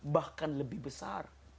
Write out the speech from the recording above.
bahkan lebih besar